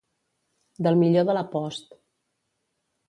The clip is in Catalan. Del millor de la post.